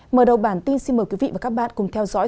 mở đầu bản tin xin mời quý vị và các bạn cùng theo dõi